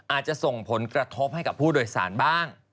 อาจจะส่งผลกระทบให้กับผู้โดยสารบ้าง